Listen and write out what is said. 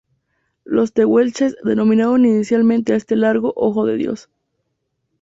Los Tehuelches denominaron inicialmente a este lago "Ojo de Dios".